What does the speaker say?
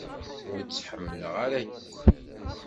Ur tt-ḥemmleɣ ara akk.